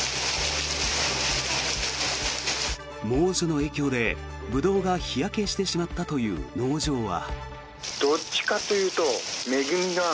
猛暑の影響でブドウが日焼けしてしまったという農場は。